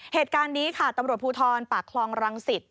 เหตุการณ์นี้ค่ะตำรวจภูทรปากคลองรังสิต